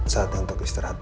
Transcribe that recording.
saatnya untuk istirahat